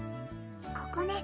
ここね